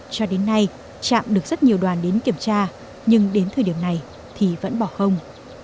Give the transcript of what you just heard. cho đến nay trạm được rất nhiều đoàn đến kiểm tra nhưng đến thời điểm này thì vẫn bỏ không